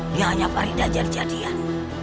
ini hanya faridah jajadian